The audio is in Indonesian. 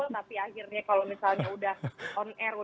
tapi akhirnya kalau misalnya udah on air